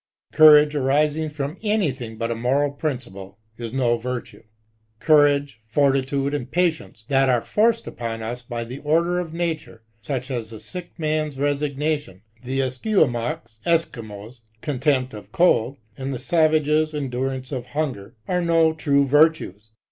Courage arising from anything but a moral principle, is no virtue. Courage, fortitude, and patience, that are forced upon us by the order of nature — such as the sick man^s resignation, the Esquimaux contempt of cold, and the savage^s endurance of hunger — are no true virtues.